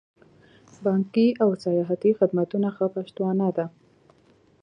بانکي او سیاحتي خدمتونه ښه پشتوانه ده.